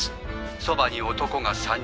そばに男が３人。